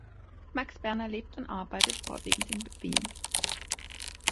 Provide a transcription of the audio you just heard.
Max Berner lebt und arbeitet vorwiegend in Wien.